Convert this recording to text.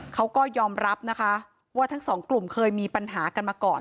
เขาก็ยอมรับนะคะว่าทั้งสองกลุ่มเคยมีปัญหากันมาก่อน